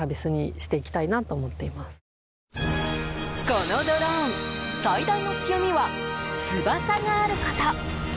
このドローン最大の強みは翼があること。